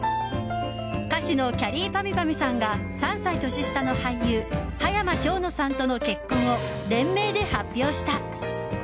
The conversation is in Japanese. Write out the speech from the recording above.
歌手のきゃりーぱみゅぱみゅさんが３歳年下の俳優葉山奨之さんとの結婚を連名で発表した。